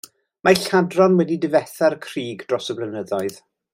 Mae lladron wedi difetha'r crug dros y blynyddoedd.